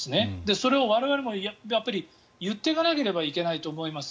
それを我々も言っていかないといけないと思います。